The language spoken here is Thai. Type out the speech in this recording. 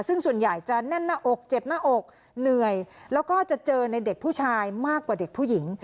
ซึ่งส่วนใหญ่จะแน่นหน้าอกเจ็บหน้าอกเหนื่อยแล้วก็จะเจอในเด็กผู้ชายมากกว่าเด็กผู้หญิง